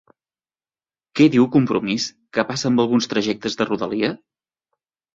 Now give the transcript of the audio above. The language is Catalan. Què diu Compromís que passa amb alguns trajectes de Rodalia?